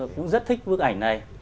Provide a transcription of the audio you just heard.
cũng rất thích bức ảnh này